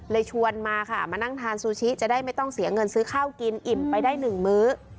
ชวนมาค่ะมานั่งทานซูชิจะได้ไม่ต้องเสียเงินซื้อข้าวกินอิ่มไปได้หนึ่งมื้อ